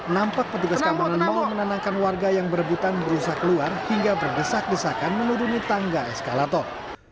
nampak petugas keamanan mau menenangkan warga yang berebutan berusaha keluar hingga berdesak desakan menuruni tangga eskalator